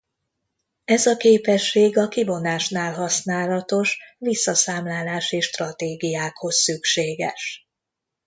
Ez a képesség a kivonásnál használatos visszaszámlálási stratégiákhoz szükséges.